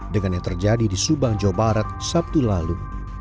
dengan yang terjadi di subang jawa barat sabtu lalu